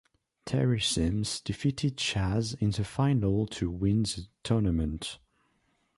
Terry Simms defeated Chaz in the final to win the tournament.